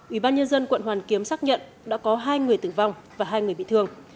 ủy ban nhân dân quận hoàn kiếm xác nhận đã có hai người tử vong và hai người bị thương